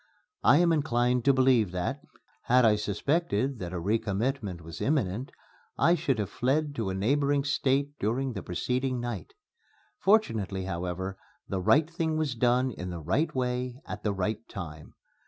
I am inclined to believe that, had I suspected that a recommitment was imminent, I should have fled to a neighboring State during the preceding night. Fortunately, however, the right thing was done in the right way at the right time.